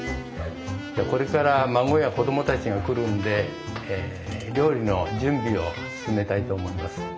これから孫や子供たちが来るんで料理の準備を進めたいと思います。